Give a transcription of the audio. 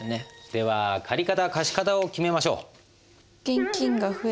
では借方貸方を決めましょう。